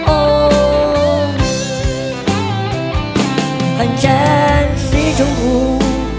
โอ้แผนแชร์สีชมพู